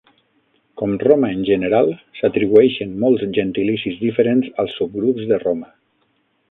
Com Roma en general, s'atribueixen molts gentilicis diferents als subgrups de Roma.